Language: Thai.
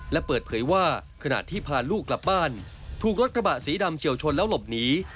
และเปิดเผยว่าขณะที่พาลูกกลับบ้านถูกรถกระบะสีดำเฉียวชนแล้วหลบหนี